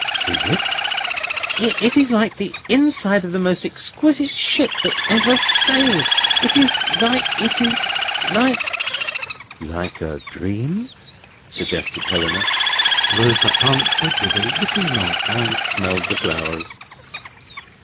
"Is it?" "It is like the inside of the most exquisite ship that ever sailed. It is like—it is like—" "Like a dream?" suggested Helena. Rosa answered with a little nod, and smelled the flowers.